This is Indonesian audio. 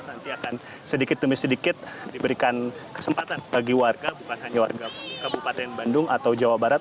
nanti akan sedikit demi sedikit diberikan kesempatan bagi warga bukan hanya warga kabupaten bandung atau jawa barat